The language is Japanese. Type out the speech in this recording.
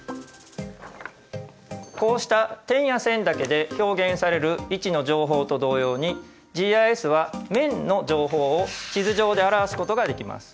こうした点や線だけで表現される位置の情報と同様にＧＩＳは面の情報を地図上で表すことができます。